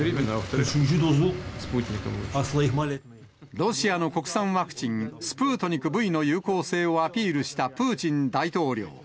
ロシアの国産ワクチン、スプートニクＶの有効性をアピールしたプーチン大統領。